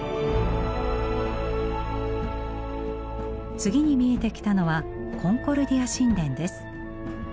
次に見えてきたのはコンコルディア神殿です。